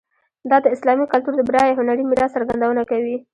دا د اسلامي کلتور د بډایه هنري میراث څرګندونه کوي.